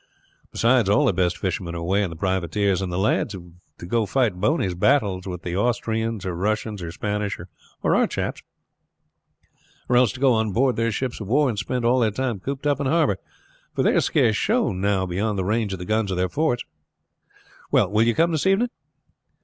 Besides, all their best fishermen are away in the privateers, and the lads have to go to fight Boney's battles with the Austrians or Russians, or Spanish or our chaps, or else to go on board their ships of war and spend all their time cooped up in harbor, for they scarce show now beyond the range of the guns in their forts. Well, will you come this evening?"